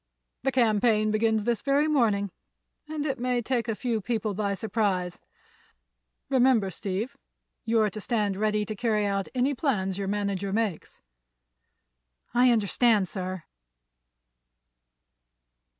"The campaign begins this very morning, and it may take a few people by surprise. Remember, Steve, you're to stand ready to carry out any plans your manager makes." "I understand, sir."